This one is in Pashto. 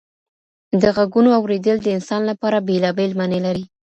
د غږونو اورېدل د انسان لپاره بېلابېل معنی لري.